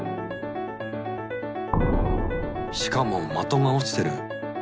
しかも的が落ちてる。